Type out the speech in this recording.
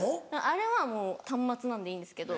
あれはもう端末なんでいいんですけど。